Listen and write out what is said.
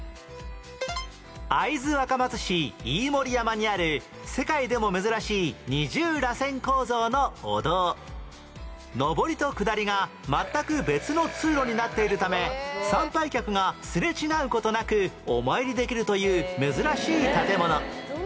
会津若松市飯盛山にある上りと下りが全く別の通路になっているため参拝客がすれ違う事なくお参りできるという珍しい建物